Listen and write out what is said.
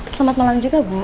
selamat malam juga bu